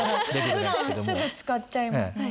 ふだんすぐ使っちゃいますね。